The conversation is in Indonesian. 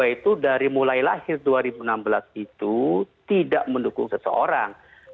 dua ratus dua belas itu dari mulai lahir dua ribu enam belas itu tidak mendukung seseorang